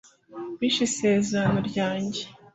bishe Isezerano ryanjye